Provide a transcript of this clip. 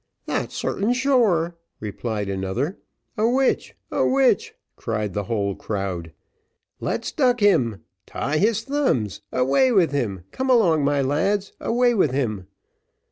"That's sartain sure," replied another. "A witch a witch!" cried the whole crowd. "Let's duck him tie his thumbs away with him come along, my lads, away with him."